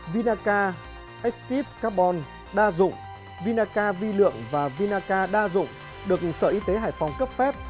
vinaca akip carbon đa dụng vinaca vi lượng và vinaca đa dụng được sở y tế hải phòng cấp phép